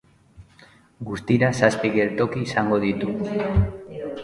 Guztira zazpi geltoki izango ditu.